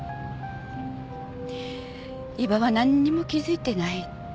伊庭はなんにも気づいてない。